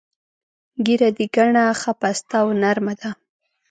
ږیره دې ګڼه، ښه پسته او نر مه ده.